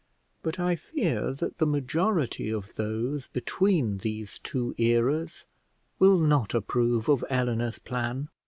But I fear that the majority of those between these two eras will not approve of Eleanor's plan.